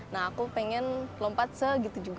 nah aku pengen lompat segitu juga